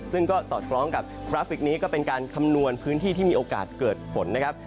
ซึ่งก็สอดคล้องกับกราฟิกนี้ก็เป็นการคำนวณพื้นที่ที่มีโอกาสเกิดฝนนะครับ